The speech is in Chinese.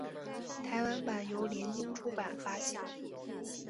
台湾版由联经出版发行。